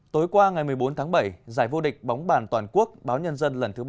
tối qua ngày một mươi bốn tháng bảy giải vô địch bóng bàn toàn quốc báo nhân dân lần thứ ba mươi